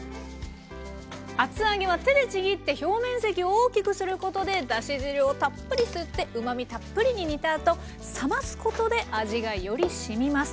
厚揚げは手でちぎって表面積を大きくすることでだし汁をたっぷり吸ってうまみたっぷりに煮たあと冷ますことで味がよりしみます。